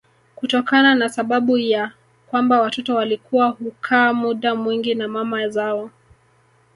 Kutokana na sababu ya kwamba watoto walikuwa hukaa muda mwingi na mama zao